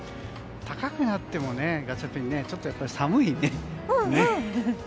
高くなってもガチャピン、寒いね。